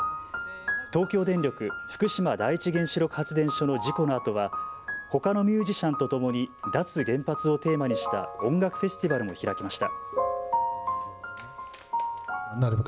東京電力福島第一原子力発電所の事故のあとは、ほかのミュージシャンとともに脱原発をテーマにした音楽フェスティバルも開きました。